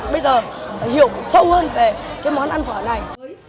bây giờ hiểu sâu hơn về món ăn phở này